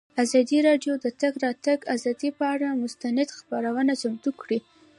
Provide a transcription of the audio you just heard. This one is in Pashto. ازادي راډیو د د تګ راتګ ازادي پر اړه مستند خپرونه چمتو کړې.